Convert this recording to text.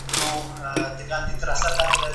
دا کار د څېړني اصلي ارزښت له منځه وړي.